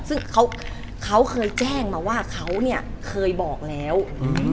ซึ่งเขาเขาเคยแจ้งมาว่าเขาเนี้ยเคยบอกแล้วอืม